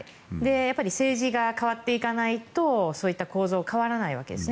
やっぱり政治が変わっていかないとそういった構造は変わらないわけですね。